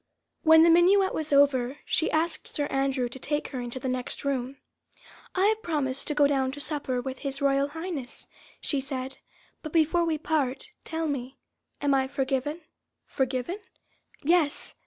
When the minuet was over, she asked Sir Andrew to take her into the next room. "I have promised to go down to supper with His Royal Highness," she said, "but before we part, tell me ... am I forgiven?" "Forgiven?" "Yes!